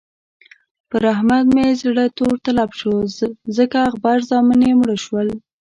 پر احمد مې زړه تور تلب شو ځکه غبر زامن يې مړه شول.